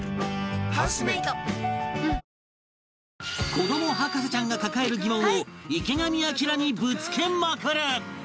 子ども博士ちゃんが抱える疑問を池上彰にぶつけまくる！